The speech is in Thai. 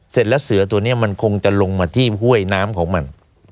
เสร็จแล้วเสือตัวนี้มันคงจะลงมาที่ห้วยน้ำของมัน